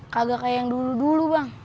kagak kayak yang dulu dulu bang